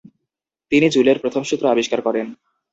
তিনি জুলের প্রথম সূত্র আবিষ্কার করেন।